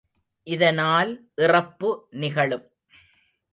இதனால் இறப்பு நிகழும்.